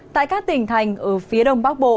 tại các tỉnh thành ở phía đông bắc bộ